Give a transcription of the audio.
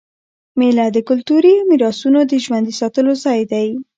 مېله د کلتوري میراثونو د ژوندي ساتلو ځای دئ.